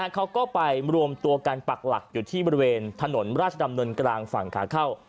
เขาก็ไปรวมตัวกันปักหลักอยู่ที่บริเวณถนนราชดำเนินกลางฝั่งขาเข้า